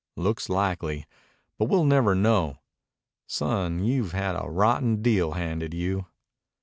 "Looks likely, but we'll never know. Son, you've had a rotten deal handed you."